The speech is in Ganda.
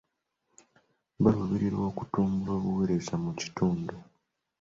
Baaluubirira okutumbula obuweereza mu kitundu.